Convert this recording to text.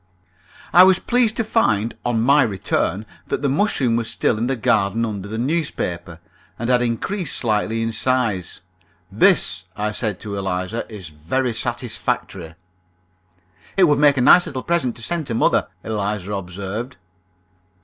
I was pleased to find (on my return) that the mushroom was still in the garden under the newspaper, and had increased slightly in size. "This," I said to Eliza, "is very satisfactory." "It would make a nice little present to send to mother," Eliza observed.